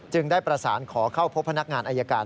ได้ประสานขอเข้าพบพนักงานอายการ